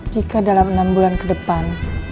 jika dalam enam bulan ke depan